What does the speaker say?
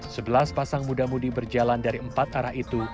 sebelas pasang muda mudi berjalan dari empat arah itu